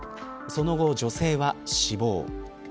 その後、女性は死亡。